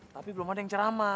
tapi belum ada yang ceramah